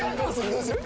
どうする？